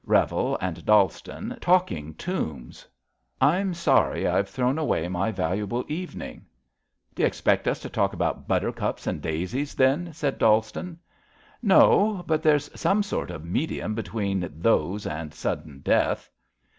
Revel and Dallston, talking tombs. I'm sorry I've thrown away my valuable evening." D'you expect us to talk about buttercups and daisies, then? " said Dallston. No, but there's some sort of medium between those and Sudden Death."